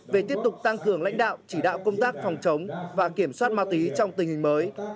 về tiếp tục tăng cường lãnh đạo chỉ đạo công tác phòng chống và kiểm soát ma túy trong tình hình mới